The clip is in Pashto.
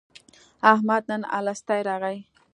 احمد نن الستی راغی.